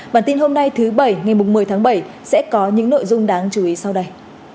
bản tin hôm nay thứ bảy ngày một mươi tháng bảy sẽ có những nội dung đáng chú ý sau đây